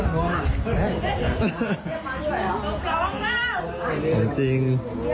จริงจริง